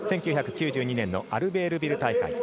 １９９２年のアルベールビル大会。